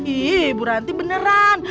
iyi bu ranti beneran